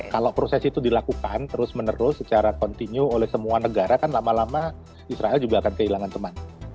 kalau proses itu dilakukan terus menerus secara kontinu oleh semua negara kan lama lama israel juga akan kehilangan teman